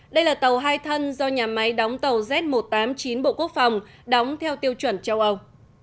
đây là tàu hai thân do nhà máy đóng tàu z một trăm tám mươi chín bộ quốc phòng đóng theo tiêu chuẩn châu âu